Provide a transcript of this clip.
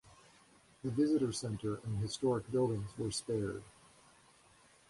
The visitor center and historic buildings were spared.